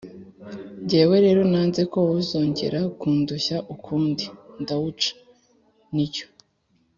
Ngewe rero, nanze ko wazongera kundushya ukundi ndawuca. Ni cyo